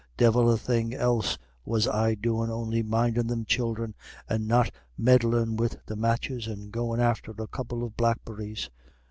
Divil a thing else was I doin' on'y mindin' them childer, and not meddlin' wid the matches, and goin' after a couple of blackberries.